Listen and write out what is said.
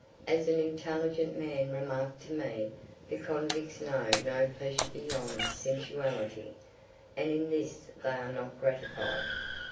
As an intelligent man remarked to me, the convicts know no pleasure beyond sensuality, and in this they are not gratified.